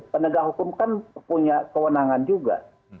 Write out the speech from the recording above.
dan negara hukum kan punya kewenangan juga